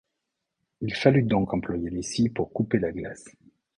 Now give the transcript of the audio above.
Il fallut donc employer les scies pour couper la glace.